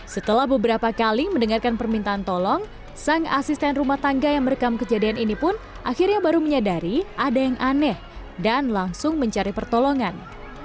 setelah beberapa kali mendengarkan permintaan tolong sang asisten rumah tangga yang merekam kejadian ini pun akhirnya baru menyadari ada yang aneh dan langsung mencari pertolongan